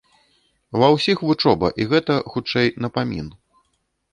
Ва ўсіх вучоба, і гэта, хутчэй, напамін.